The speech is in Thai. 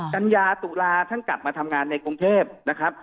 กัญญาตุลาท่านกลับมาทำงานในกรุงเทพนะครับ